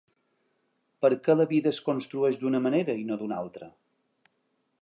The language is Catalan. Per què la vida es construeix d’una manera i no d’una altra?